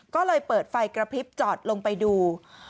ก็เลยเปิดไฟกระพริบจอดลงไปดู